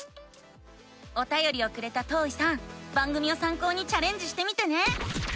おたよりをくれたとういさん番組をさん考にチャレンジしてみてね！